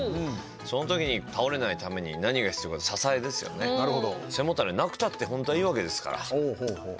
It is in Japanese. そのときに倒れないために何が必要かって背もたれなくたって本当はいいわけですから。